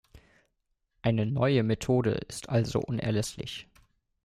Eine neue Methode ist also unerlässlich.